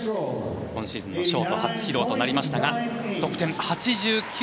今シーズンのショート初披露となりましたが得点、８９．９８。